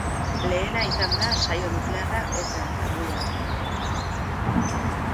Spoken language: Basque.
Lehena izan da saio nuklearra ozen arbuiatzen.